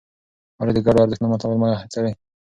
ولې د ګډو ارزښتونو ماتول مه هڅوې؟